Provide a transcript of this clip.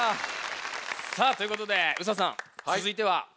さあということでＳＡさんつづいては？